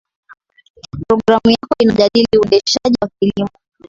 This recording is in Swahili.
programu yako inajadili uendeshaji wa kilimo